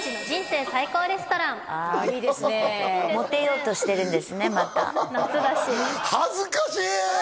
モテようとしてるんですねまた夏だし恥ずかしい！